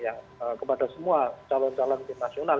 yang kepada semua calon calon internasional